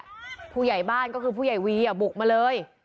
และอย่างที่บ้านก็คือผู้ใหญ่วีบุกมาเลย